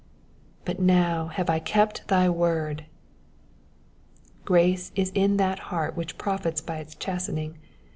^^But now have I kept thy word^ Grace is in that heart which profits by its chastening.